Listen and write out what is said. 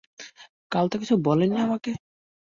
কাল তো কিছু বলেননি আমাকে?